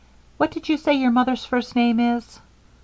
What did you say your mother's first name is?"